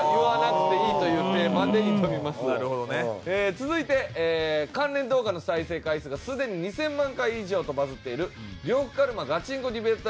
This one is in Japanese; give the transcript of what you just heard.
続いて関連動画の再生回数がすでに２０００万回以上とバズっている呂布カルマガチンコディベート